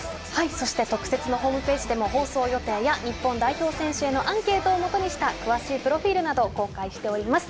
そして特設のホームページで放送予定や日本代表選手へのアンケートをもとにした詳しいプロフィールなど公開しています。